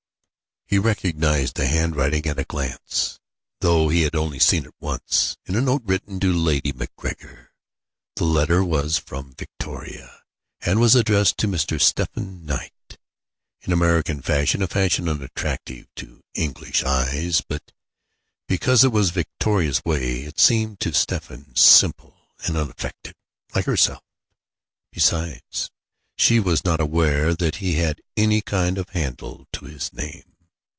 He recognized the handwriting at a glance, though he had seen it only once, in a note written to Lady MacGregor. The letter was from Victoria, and was addressed to "Mr. Stephen Knight," in American fashion a fashion unattractive to English eyes. But because it was Victoria's way, it seemed to Stephen simple and unaffected, like herself. Besides, she was not aware that he had any kind of handle to his name.